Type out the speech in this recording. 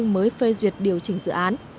mới phê duyệt điều chỉnh dự án